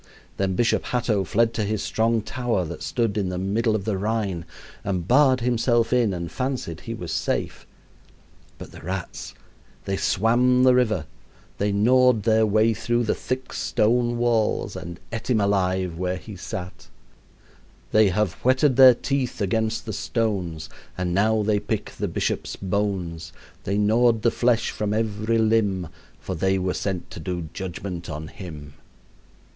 Then Bishop Hatto fled to his strong tower that stood in the middle of the Rhine, and barred himself in and fancied he was safe. But the rats! they swam the river, they gnawed their way through the thick stone walls, and ate him alive where he sat. "They have whetted their teeth against the stones, And now they pick the bishop's bones; They gnawed the flesh from every limb, For they were sent to do judgment on him."